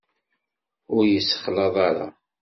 Ur yessexlaḍ ara.